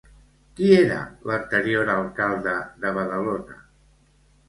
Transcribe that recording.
Qui era l'anterior alcalde de Badalona?